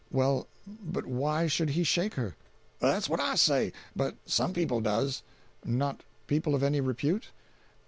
"Well, but why should he shake her?" "That's what I say—but some people does." "Not people of any repute?"